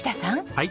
はい。